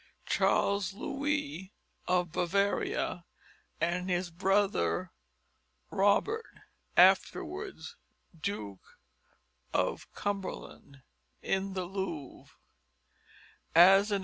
Charles Louis of Bavaria and his brother Robert, afterwards Duke of Cumberland In the Louvre III.